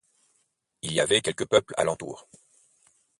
Il y avait quelque peuple alentour.